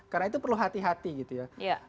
karena itu perlu hati hati gitu ya